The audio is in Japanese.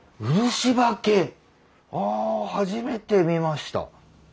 あ初めて見ました。